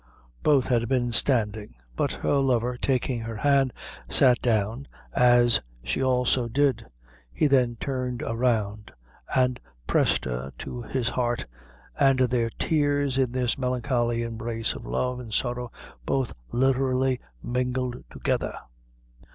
Both had been standing; but her lover, taking her hand, sat down, as she also did; he then turned around and pressed her to his heart; and their tears in this melancholy embrace of love and sorrow both literally mingled together.